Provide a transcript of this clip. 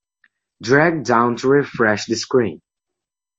Drag down to refresh the screen.